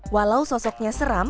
walau sosoknya seram